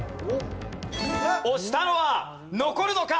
押したのは残るのか？